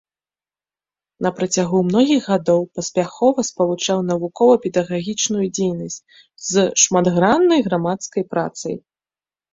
На працягу многіх гадоў паспяхова спалучаў навукова-педагагічную дзейнасць з шматграннай грамадскай працай.